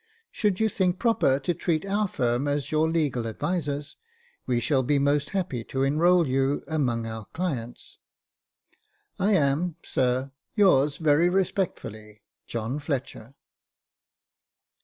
Should you think proper to treat our firm as your legal advisers, we shall be most happy to enrol you among our clients. *'I am, Sir, " Yours very respectfully, "John Fletcher.'"